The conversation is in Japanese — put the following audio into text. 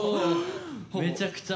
めちゃくちゃ。